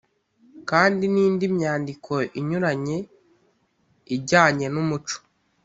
kandi n’indi myandiko inyuranye ijyanye n’umuco